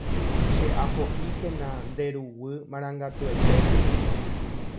Che'aho'íkena nde ruguy marangatuetépe